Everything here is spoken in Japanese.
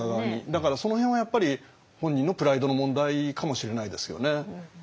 だからその辺はやっぱり本人のプライドの問題かもしれないですよね。